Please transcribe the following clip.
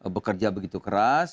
bekerja begitu keras